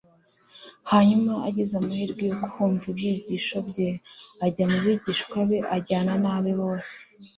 Hanyuma agize amahirwe yo kumva ibyigisho bye, ajya mu bigishwa be, ajyanye n'abe bose.